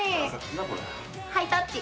ハイタッチ。